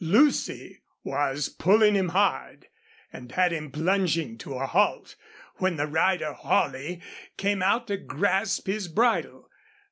Lucy was pulling him hard, and had him plunging to a halt, when the rider Holley ran out to grasp his bridle.